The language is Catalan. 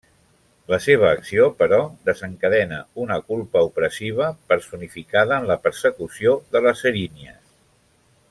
La seva acció, però, desencadena una culpa opressiva, personificada en la persecució de les erínies.